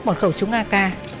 một khẩu súng ak